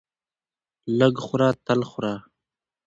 لږ خوره تل خوره!